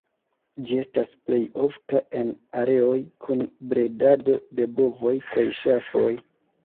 Ĝi estas plej ofta en areoj kun bredado de bovoj kaj ŝafoj.